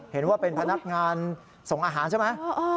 เห็นว่าเป็นพนักงานส่งอาหารใช่ไหม